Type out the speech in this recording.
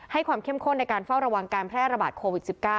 ความเข้มข้นในการเฝ้าระวังการแพร่ระบาดโควิด๑๙